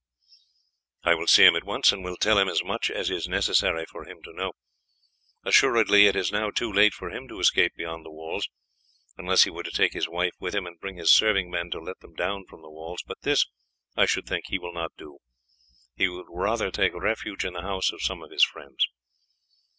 "I will see him at once, and will tell him as much as it is necessary for him to know. Assuredly it is now too late for him to escape beyond the walls, unless he were to take his wife with him, and bring his serving men to let them down from the walls; but this, I should think, he will not do, he would rather take refuge in the house of some of his friends."